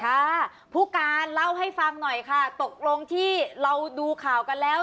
ค่ะผู้การเล่าให้ฟังหน่อยค่ะตกลงที่เราดูข่าวกันแล้ว